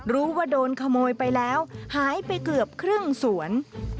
รู้ว่าโดนขโมยไปแล้วหายไปเกือบครึ่งสวน